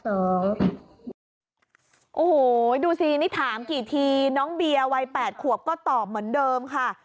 โอ้โหดูสินี่ถามกี่ทีน้องเบียร์วัย๘ขวบก็ตอบเหมือนเดิมค่ะ